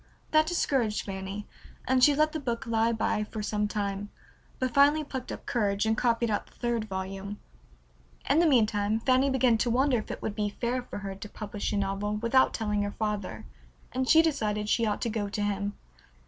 That discouraged Fanny, and she let the book lie by for some time, but finally plucked up courage, and copied out the third volume. In the meantime Fanny began to wonder if it would be fair for her to publish a novel without telling her father, and she decided she ought to go to him.